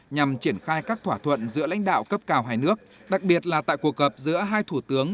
nhằm triển khai các thỏa thuận giữa lãnh đạo cấp cao hai nước đặc biệt là tại cuộc gặp giữa hai thủ tướng